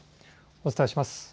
お伝えします。